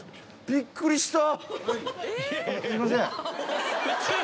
びっくりした！？